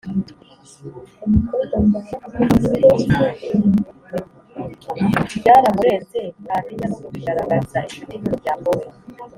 byaramurenze ntatinya no kubigaragariza inshuti n’umuryango we.